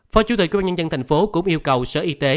phó chủ tịch quy bản nhân dân thành phố cũng yêu cầu sở y tế